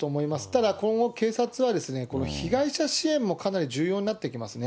ただ、今後、警察はこの被害者支援もかなり重要になってきますね。